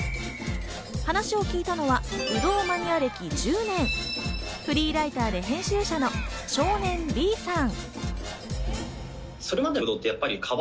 話を聞いたのはぶどうマニア歴１０年、フリーライターで編集者の少年Ｂさん。